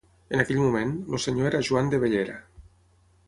En aquell moment, el senyor era Joan de Bellera.